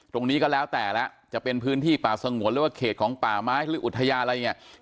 ตรงนี้ก็แล้วแต่แล้วจะเป็นพื้นที่ป่าสงวนหรือว่าเขตของป่าไม้หรืออุทยานอะไรอย่างนี้